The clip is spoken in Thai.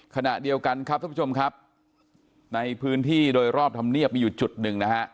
ขณะเดียวกันครับท่านผู้ชมครับในพื้นที่โดยรอบธรรมเนียบมีอยู่จุดหนึ่งนะฮะ